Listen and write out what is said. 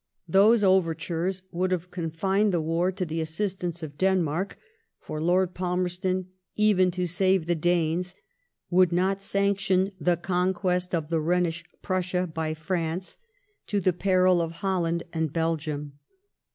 Those overtures would have confined the war to the assistance of Denmark, for Lord Palmerston, even to save the Danes, would not sanction the conquest of the Rhenish Prussia by France, to the peril of Holland and Belgium.